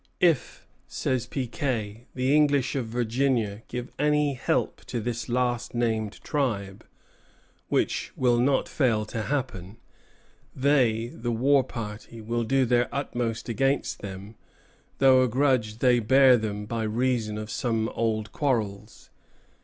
"If," says Piquet, "the English of Virginia give any help to this last named tribe, which will not fail to happen, they [the war party] will do their utmost against them, through a grudge they bear them by reason of some old quarrels."